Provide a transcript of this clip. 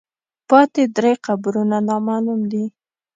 پاتې درې قبرونه نامعلوم دي.